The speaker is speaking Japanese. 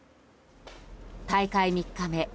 大会３日目。